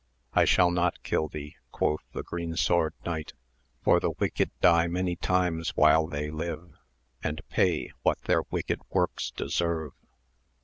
I shall not kill thee, quoth the Green Sword Knight, for the wicked die many times while they live, and pay what their wicked works de serve.